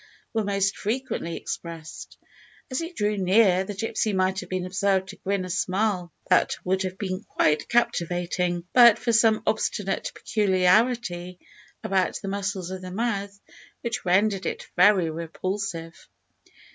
were most frequently expressed. As he drew near, the gypsy might have been observed to grin a smile that would have been quite captivating but for some obstinate peculiarity about the muscles of the mouth which rendered it very repulsive.